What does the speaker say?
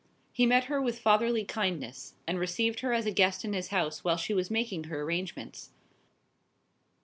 He met her with fatherly kindness, and received her as a guest in his house while she was making her arrangements.